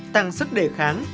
tăng sức đề kháng